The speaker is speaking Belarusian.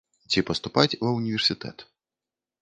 Ці паступаць ва ўніверсітэт.